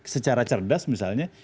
secara cerdas misalnya